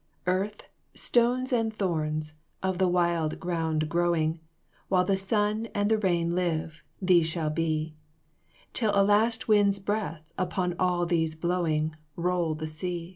Earth, stones and thorns, of the wild ground growing, While the sun and the rain live, these shall be, Till a last wind's breath, upon all these blowing, Roll the sea."